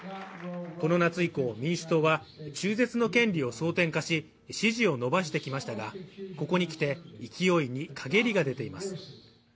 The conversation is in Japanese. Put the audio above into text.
この夏以降、民主党は中絶の権利を争点化し支持を伸ばしてきましたが、ここに来て、勢いに陰りが出ています。